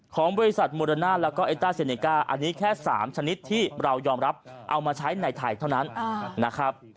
ของบริษัทแล้วก็อันนี้แค่สามชนิดที่เรายอมรับเอามาใช้ในไทยเท่านั้นอ่านะครับ